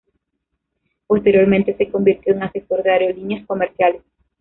Posteriormente se convirtió en asesor de aerolíneas comerciales.